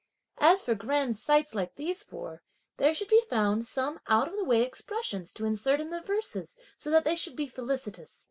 As for grand sites like these four, there should be found some out of the way expressions to insert in the verses so that they should be felicitous.